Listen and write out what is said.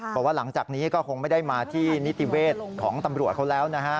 บอกว่าหลังจากนี้ก็คงไม่ได้มาที่นิติเวศของตำรวจเขาแล้วนะฮะ